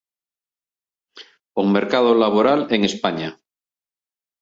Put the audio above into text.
El mercado laboral en España.